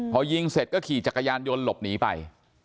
พอยิงเสร็จก็ขี่จักรยานยนต์หลบหนีไป